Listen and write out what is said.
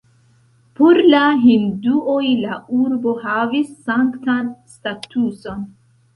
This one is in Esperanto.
Por la hinduoj la urbo havis sanktan statuson.